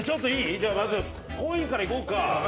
じゃあまずコインからいこうか。